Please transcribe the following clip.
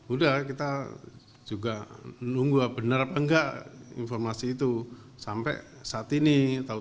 udah kita juga menunggu benar apa enggak informasi itu sampai saat ini